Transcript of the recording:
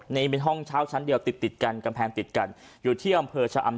นี่เป็นห้องเช่าชั้นเดียวติดติดกันกำแพงติดกันอยู่ที่อำเภอชะอำ